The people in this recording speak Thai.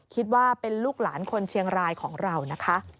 คิดว่าเป็นลูกหลานคนเชียงรายของเรานะคะ